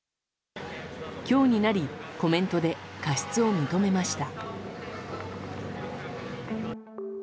今日になり、コメントで過失を認めました。